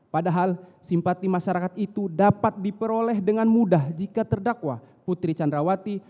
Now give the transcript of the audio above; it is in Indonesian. padahal simpati masyarakat itu dapat diperoleh dengan mudah jika terdakwa putri candrawati